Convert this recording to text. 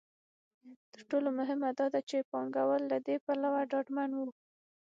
تر ټولو مهمه دا ده چې پانګوال له دې پلوه ډاډمن وو.